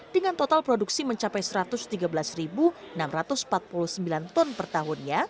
dengan total produksi mencapai satu ratus tiga belas enam ratus produk